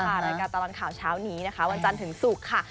รายการตลอดข่าวเช้านี้นะคะวันจันทร์ถึงศุกร์ค่ะ